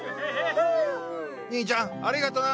にいちゃんありがとな。